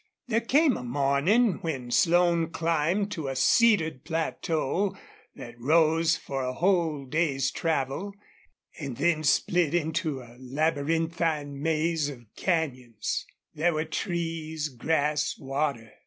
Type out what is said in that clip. There came a morning when Slone climbed to a cedared plateau that rose for a whole day's travel, and then split into a labyrinthine maze of canyons. There were trees, grass, water.